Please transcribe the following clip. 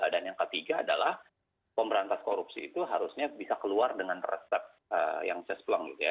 dan yang ketiga adalah pemberantasan korupsi itu harusnya bisa keluar dengan resep yang sesuai